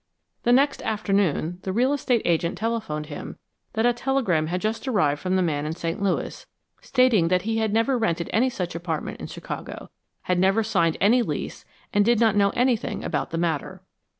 The next afternoon, the real estate agent telephoned him that a telegram had just arrived from the man in St. Louis, stating that he had never rented any such apartment in Chicago, had never signed any lease, and did not know anything about the matter.